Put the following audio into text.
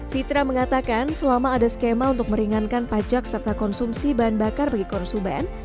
fitra mengatakan selama ada skema untuk meringankan pajak serta konsumsi bahan bakar bagi konsumen